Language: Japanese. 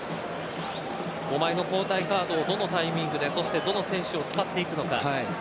５枚の交代カードをどのタイミングでどの選手を使っていくのか